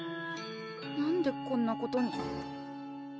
何でこんなことに。